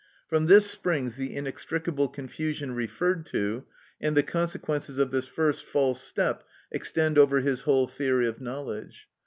From this springs the inextricable confusion referred to, and the consequences of this first false step extend over his whole theory of knowledge.